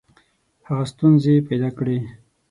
هغه ستونزي پیدا کړې.